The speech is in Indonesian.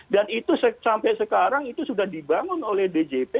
dan itu sampai sekarang itu sudah dibangun oleh djp